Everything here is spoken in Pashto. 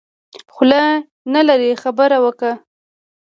خوله نلرې خبره وکه.